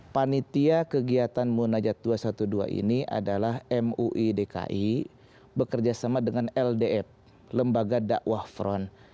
panitia kegiatan munajat dua ratus dua belas ini adalah mui dki bekerjasama dengan ldf lembaga dakwah front